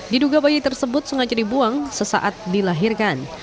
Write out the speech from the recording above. diduga bayi tersebut sengaja dibuang sesaat dilahirkan